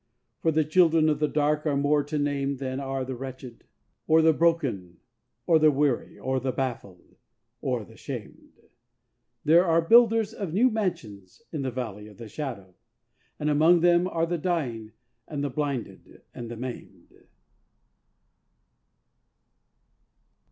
For the children of the dark are more to name than are the wretched, Or the broken, or the weary, or the baffled, or the shamed: There are builders of new mansions in the Valley of the Shadow, And among them are the dying and the blinded and the maimed.